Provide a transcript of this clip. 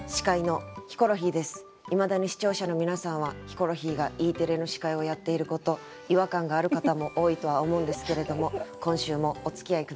いまだに視聴者の皆さんはヒコロヒーがＥテレの司会をやっていること違和感がある方も多いとは思うんですけれども今週もおつきあい下さい。